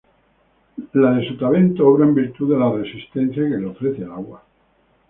La de sotavento obra en virtud de la resistencia que le ofrece el agua.